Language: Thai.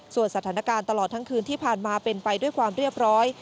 ส่วนสถานการณ์ตลอดทั้งคืนที่ผ่านมาเป็นไปด้วยความเรียบร้อย